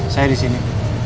saya di sini